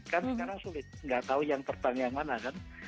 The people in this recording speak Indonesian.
kan sekarang sulit nggak tahu yang terbang yang mana kan